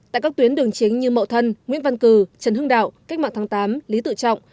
tại các tuyến đường chính như mậu thân nguyễn văn cử trần hưng đạo cách mạng tháng tám lý tự trọng